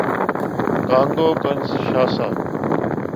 Congo - کنشاسا